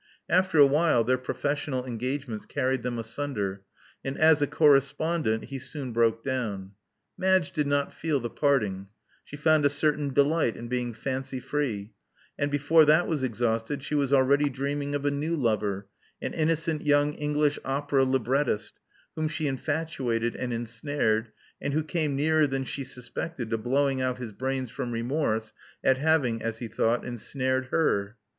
After a while, their professional engagements carried them astmder; and as a correspondent he soon broke down. Madge, did not feel the parting: she found a certain delight in being fancy free; and before that was exhausted she was already dreaming of a new lover, an innocent young English opera librettist, whom she infatuated and ensnared and who came nearer than she suspected to blowing out his brains from remorse at having, as he thought, ensnared her.